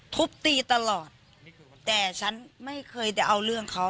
ทุบตีตลอดแต่ฉันไม่เคยจะเอาเรื่องเขา